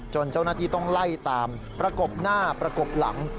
เจ้าหน้าที่ต้องไล่ตามประกบหน้าประกบหลัง